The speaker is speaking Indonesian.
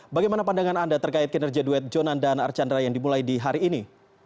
bagaimana pandangan anda terkait kinerja duet jonan dan archandra yang dimulai di hari ini